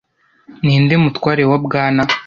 Ninde mutware wa Bwana